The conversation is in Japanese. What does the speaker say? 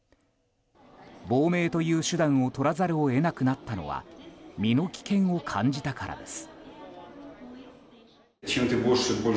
亡命という手段を取らざるを得なくなったのは身の危険を感じたからです。